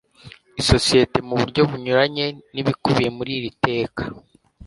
isosiyete mu buryo bunyuranye n ibikubiye muri iri teka